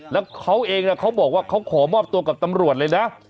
แล้วเขาเองเขาบอกว่าเขาขอมอบตัวกับตำรวจเลยนะ